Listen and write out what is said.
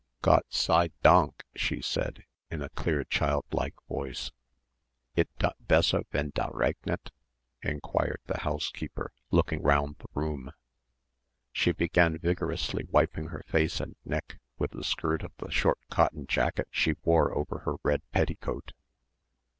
"Gott sei Dank," she said, in a clear child like voice. "It dot besser wenn da regnet?" enquired the housekeeper, looking round the room. She began vigorously wiping her face and neck with the skirt of the short cotton jacket she wore over her red petticoat.